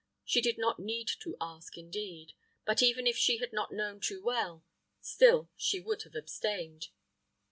She did not need to ask, indeed; but, even if she had not known too well, still she would have abstained.